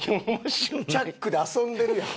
チャックで遊んでるやん。